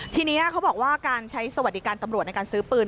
ทีนี้เขาบอกว่าการใช้สวัสดิการตำรวจในการซื้อปืน